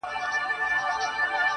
زه به يې ياد يم که نه.